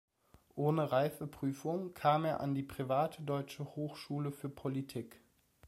Ohne Reifeprüfung kam er an die private Deutsche Hochschule für Politik.